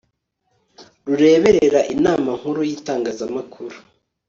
rureberera Inama Nkuru y Itangazamakuru